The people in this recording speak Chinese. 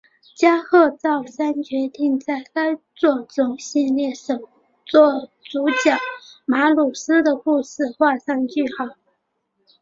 加贺昭三决定在该作中让系列首作主角马鲁斯的故事画上句号。